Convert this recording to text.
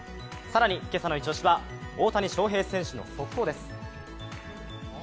更に、今朝のイチ押しは大谷翔平選手の速報です。